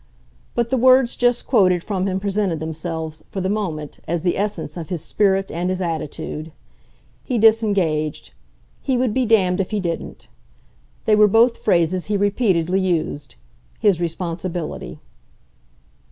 But the words just quoted from him presented themselves, for the moment, as the essence of his spirit and his attitude. He disengaged, he would be damned if he didn't they were both phrases he repeatedly used his responsibility.